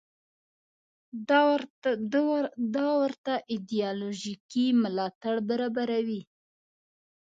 دا ورته ایدیالوژیکي ملاتړ برابروي.